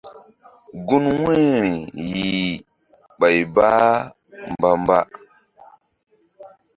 Gun wu̧yri yih bay bah mba mba.